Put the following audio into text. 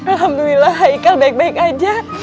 alhamdulillah ikal baik baik aja